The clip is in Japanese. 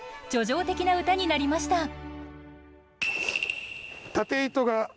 叙情的な歌になりました。